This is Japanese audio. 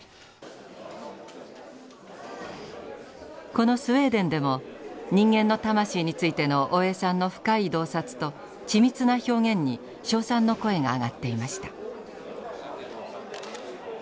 このスウェーデンでも人間の魂についての大江さんの深い洞察と緻密な表現に称賛の声が上がっていました。